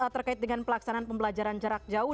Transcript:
terkait dengan pelaksanaan pembelajaran jarak jauh